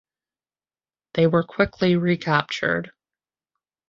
They were quickly recaptured.